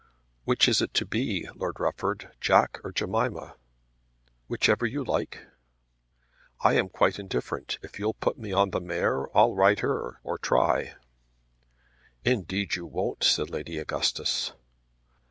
"Which is it to be, Lord Rufford, Jack or Jemima?" "Which ever you like." "I am quite indifferent. If you'll put me on the mare I'll ride her, or try." "Indeed you won't," said Lady Augustus.